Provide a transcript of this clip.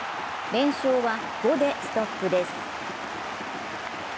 連勝は５でストップです。